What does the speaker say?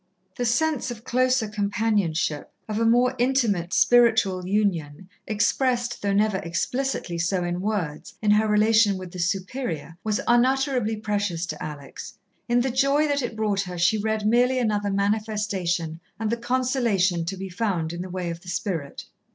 The sense of closer companionship of a more intimate spiritual union expressed, though never explicitly so in words, in her relation with the Superior, was unutterably precious to Alex. In the joy that it brought her she read merely another manifestation and the consolation to be found in the way of the Spirit.